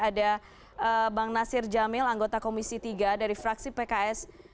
ada bang nasir jamil anggota komisi tiga dari fraksi pks